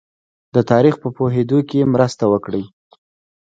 د تاریخ په پوهېدو کې مرسته وکړي.